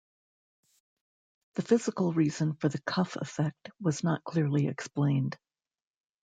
The physical reason for the cuff effect was not clearly explained.